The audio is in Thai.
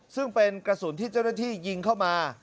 ซึ่งเป็นกระสุนที่เจ้าหน้าที่ยิงเข้ามา